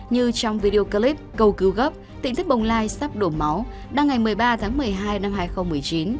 như trong video clip cầu cứu gấp tính thức bồng lai sắp đổ máu đăng ngày một mươi ba tháng một mươi hai năm hai nghìn một mươi chín